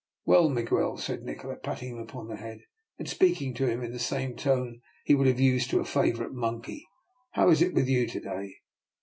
" Well, Miguel," said Nikola, patting him upon the head, and speaking to him in the same tone he would have used to a favourite monkey, " how is it with you to day?